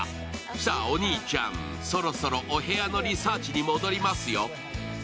さぁ、お兄ちゃん、そろそろお部屋のリサーチに戻りますよ。